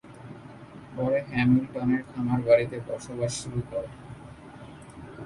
পরে হ্যামিল্টনের খামার বাড়িতে বসবাস শুরু করে।